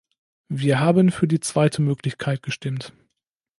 Wir haben für die zweite Möglichkeit gestimmt.